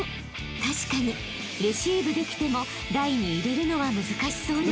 ［確かにレシーブできても台に入れるのは難しそうです］